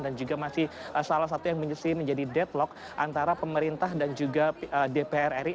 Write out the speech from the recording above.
dan juga masih salah satu yang menjadi deadlock antara pemerintah dan juga dpr ri